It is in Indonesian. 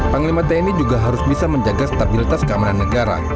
panglima tni juga harus bisa menjaga stabilitas keamanan negara